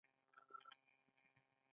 د بامیان ښار ډیر پاک دی